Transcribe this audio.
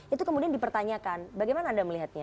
itu kemudian dipertanyakan bagaimana anda melihatnya